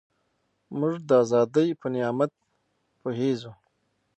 موږ د ازادۍ په نعمت پوهېږو.